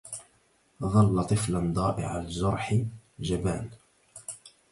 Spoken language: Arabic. ظل طفلاً ضائع الجرح... جبان.